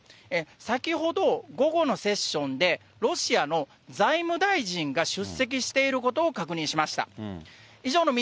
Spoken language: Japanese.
先ほど午後のセッションでロシアの財務大臣が、出席していることを確認しました。